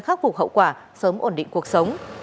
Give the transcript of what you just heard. khắc phục hậu quả sớm ổn định cuộc sống